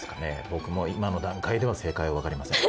僕も今の段階では正解は分かりません。